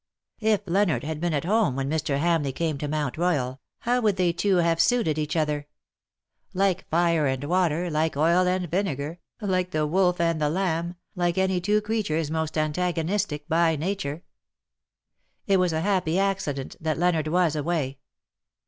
If Leonard had been at home when Mr. Hamleigh came to Mount Royal, how would they two have suited each other ? Like fire and water, like oil and vinegar, like the wolf and the lamb, like any two creatures most antagonistic by nature. It was a happy accident that Leonard was away.